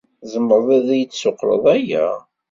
Tzemred ad iyi-d-tessuqqled aya?